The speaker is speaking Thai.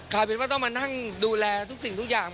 กลายเป็นว่าต้องมานั่งดูแลทุกสิ่งทุกอย่าง